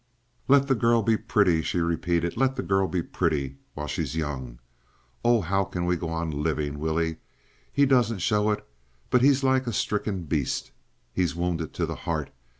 "Let the girl be pretty," she repeated; "let the girl be pretty while she's young. ... Oh! how can we go on living, Willie? He doesn't show it, but he's like a stricken beast. He's wounded to the heart.